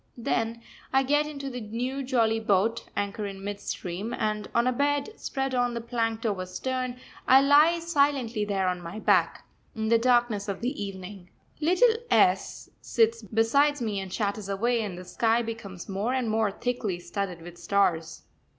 Then I get into the new jolly boat, anchor in mid stream, and on a bed, spread on the planked over stern, I lie silently there on my back, in the darkness of the evening. Little S sits beside me and chatters away, and the sky becomes more and more thickly studded with stars.